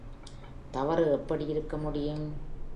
தவறு எப்படியிருக்க முடியும்?